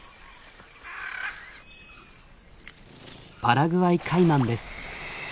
パラグアイカイマンです。